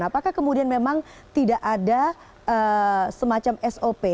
apakah kemudian memang tidak ada semacam sop